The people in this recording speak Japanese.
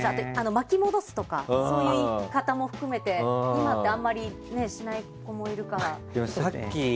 巻き戻すとかそういう言い方も含めて、今ってあんまりしない子もいるから。